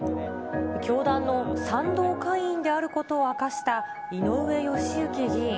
教団の賛同会員であることを明かした井上義行議員。